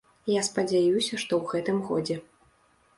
Я спадзяюся, што ў гэтым годзе.